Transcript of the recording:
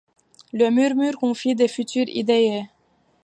Le murmure confus des futures. idées